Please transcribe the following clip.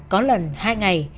có lần hai ngày